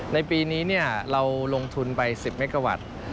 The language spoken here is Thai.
ในปีนี้เราลงทุนไป๑๐เมกาวัตต์